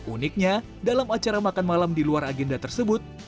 uniknya dalam acara makan malam di luar agenda tersebut